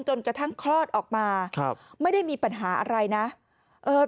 จนกระทั่งคลอดออกมาไม่ได้มีปัญหาอะไรนะครับ